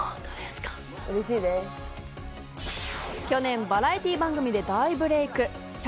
去年バラエティー番組で大ブレイク。